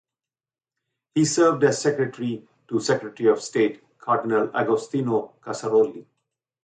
He served as secretary to Secretary of State Cardinal Agostino Casaroli.